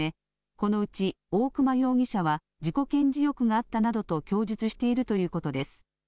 このうち大熊容疑者は自己顕示欲があったなどと供述しているということです。